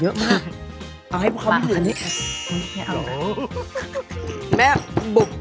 เอาก็ได้ครับ